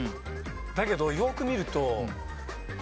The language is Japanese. だけどよく見ると。